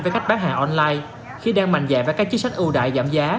với khách bán hàng online khi đang mạnh dạng với các chức sách ưu đại giảm giá